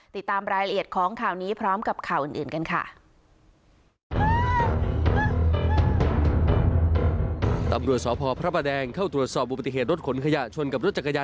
ติดตามรายละเอียดของข่าวนี้พร้อมกับข่าวอื่นกันค่ะ